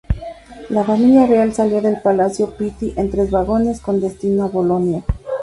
La familia real salió del Palacio Pitti en tres vagones, con destino a Bolonia.